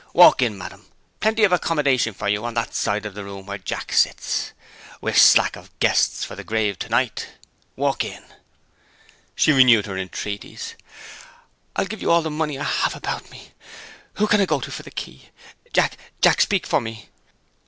Walk in, ma'am. Plenty of accommodation for you, on that side of the room where Jack sits. We are slack of guests for the grave, to night. Walk in." She renewed her entreaties. "I'll give you all the money I have about me! Who can I go to for the key? Jack! Jack! speak for me!"